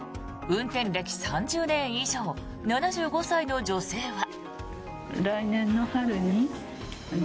運転歴３０年以上７５歳の女性は。